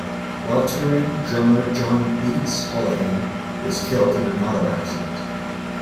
While touring drummer John "Beatz" Holohan was killed in an auto accident.